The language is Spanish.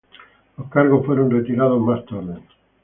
Los cargos fueron retirados más tarde.